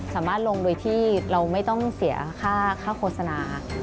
สามารถลงโดยที่เราไม่ต้องเสียค่าโฆษณา